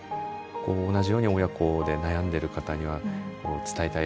同じように親子で悩んでいる方に伝えたいことって。